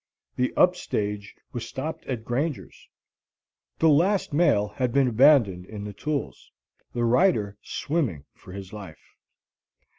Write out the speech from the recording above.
The up stage was stopped at Grangers; the last mail had been abandoned in the tules, the rider swimming for his life.